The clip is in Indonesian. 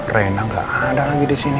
renang nggak ada lagi di sini